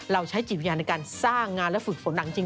ใช้จิตวิญญาณในการสร้างงานและฝึกฝนหนังจริง